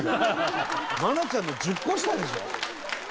愛菜ちゃんの１０個下でしょ！